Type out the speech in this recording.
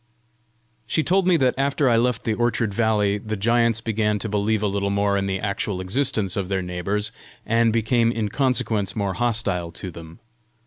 She told me that after I left the orchard valley, the giants began to believe a little more in the actual existence of their neighbours, and became in consequence more hostile to them.